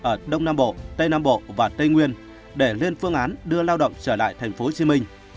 ở đông nam bộ tây nam bộ và tây nguyên để liên phương án đưa lao động trở lại tp hcm